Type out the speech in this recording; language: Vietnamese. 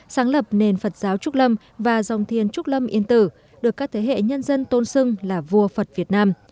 sáng lập nền phật giáo trúc lâm và dòng thiền trúc lâm yên tử được các thế hệ nhân dân tôn xưng là vua phật việt nam